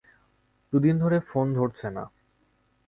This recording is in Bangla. দুদিন ধরে ফোন ধরছে না।